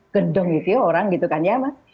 gendong gitu ya orang gitu kan ya mas